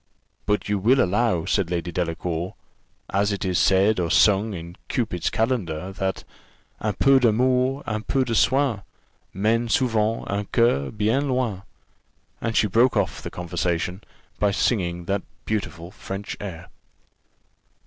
"But you will allow," said Lady Delacour, "as it is said or sung in Cupid's calendar, that 'Un peu d'amour, un peu de soin, Menent souvent un coeur bien loin;'" and she broke off the conversation by singing that beautiful French air.